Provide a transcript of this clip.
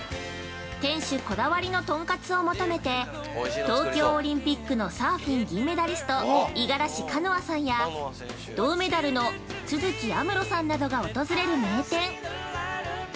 店主こだわりのトンカツを求めて、東京オリンピックのサーフィン銀メダリスト五十嵐カノアさんや銅メダルの都筑有夢路さんなどが訪れる名店。